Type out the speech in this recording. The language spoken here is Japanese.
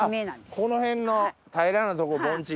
この辺の平らなとこ盆地。